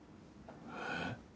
えっ？